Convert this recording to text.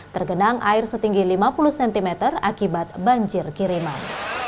tergenang air setinggi lima puluh cm akibat banjir kiriman